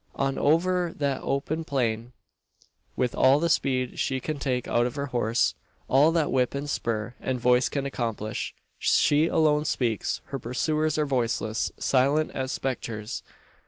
On over that open plain, with all the speed she can take out of her horse, all that whip, and spur, and voice can accomplish! She alone speaks. Her pursuers are voiceless silent as spectres!